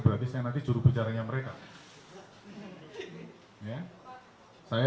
berarti mereka menggunakan alat komunikasi